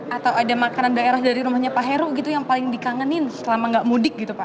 atau ada makanan daerah dari rumahnya pak heru gitu yang paling dikangenin selama nggak mudik gitu pak